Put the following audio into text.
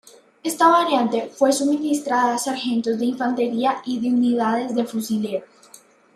Esta variante fue suministrada a sargentos de Infantería y de unidades de fusileros.